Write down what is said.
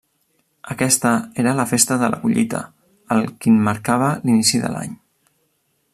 Aquesta era la festa de la collita, el quin marcava l'inici de l'any.